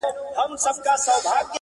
• په افغانستان کي د مخدره توکو وده -